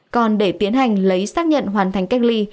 còn để tiến hành lấy xác nhận hoàn thành cách ly